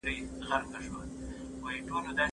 مرغکیو به نارې پسي وهلې